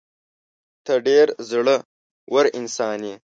ته ډېر زړه ور انسان یې.